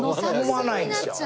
思わないんですよ。